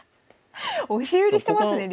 押し売りしてますね竜。